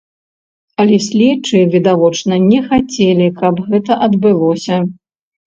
Але следчыя, відавочна, не хацелі, каб гэта адбылося.